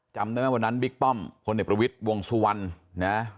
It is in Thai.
จำได้ไหมวันนั้นบิ๊กป้อมพลเอกประวิทย์วงสุวรรณนะ